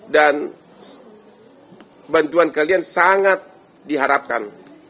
dan bantuan kalian sangat diharapkan